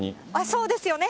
そうですよね。